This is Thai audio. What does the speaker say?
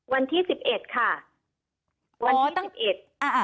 วันที่๑๑ค่ะ